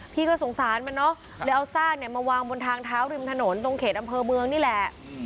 พี่ก็สงสารมันเนอะเลยเอาซากเนี่ยมาวางบนทางเท้าริมถนนตรงเขตอำเภอเมืองนี่แหละ